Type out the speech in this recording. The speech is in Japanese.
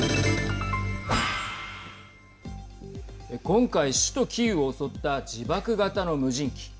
今回、首都キーウを襲った自爆型の無人機。